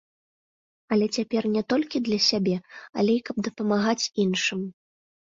Але цяпер не толькі для сябе, але і каб дапамагаць іншым.